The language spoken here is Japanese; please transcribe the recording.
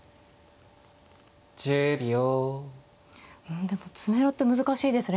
うんでも詰めろって難しいですね。